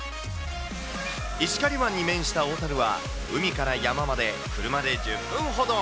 石狩湾に面した小樽は、海から山まで車で１０分ほど。